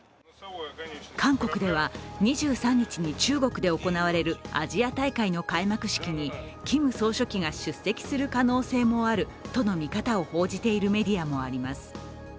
韓国では２３日に中国で行われるアジア大会の開幕式にキム総書記が出席する可能性もあるとの見方を報じているメディアもあります。